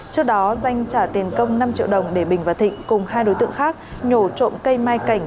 trước đó danh trả tiền công năm triệu đồng để bình và thịnh cùng hai đối tượng khác nhổ trộm cây mai cảnh